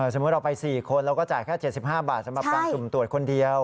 สมมุติเราไป๔คนเราก็จ่ายแค่๗๕บาทสำหรับการสุ่มตรวจคนเดียว